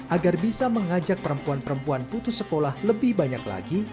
agar bisa mengajak perempuan perempuan putus sekolah lebih banyak lagi